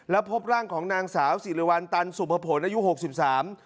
แล้วพบร่างของนางสาวสิริวัลตันสุภผลอายุหกสิบสาม